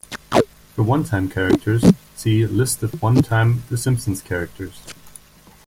For one-time characters, see "List of one-time The Simpsons characters".